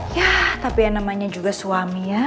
ya tapi yang namanya juga suami ya